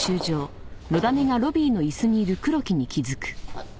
あっ。